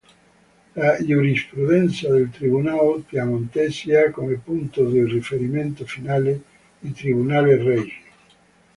La giurisprudenza dei tribunali piemontesi ha come punto di riferimento finale i tribunali regi.